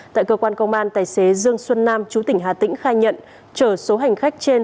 tại cơ quan công an tài xế dương xuân nam chú tỉnh hà tĩnh khai nhận chở số hành khách trên